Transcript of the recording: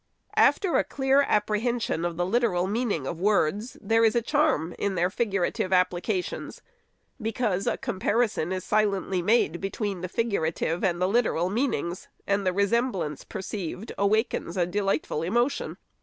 After a clear apprehension of the literal meaning of words, there is a charm in their figurative applications ; because a com parison is silently made between the figurative and the literal meanings, and the resemblance perceived awakens a delightful emotion.